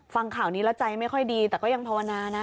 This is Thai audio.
ฟังข่าวนี้แล้วใจไม่ค่อยดีแต่ก็ยังภาวนานะ